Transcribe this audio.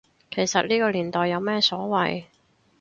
其實呢個年代有咩所謂